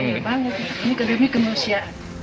bangga ini karena ini kemampuan usia